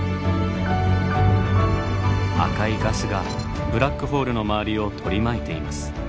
赤いガスがブラックホールの周りを取り巻いています。